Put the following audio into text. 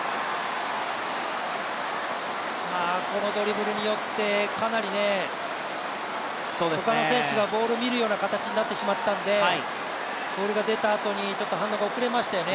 このドリブルによって、ほかの選手がボールを見るような形になってしまったので、ボールが出たあとにちょっと反応が遅かったですよね。